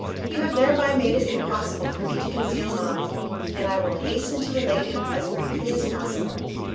You have thereby made it impossible for me to conceal mine, and I will hasten to relate it as briefly as possible.